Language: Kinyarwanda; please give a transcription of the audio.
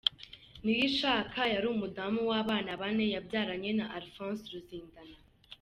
Niyishaka yari umudamu w’abana bane yabyaranye na Alphonse Ruzindana.